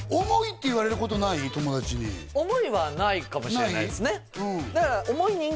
はい友達に重いはないかもしれないですね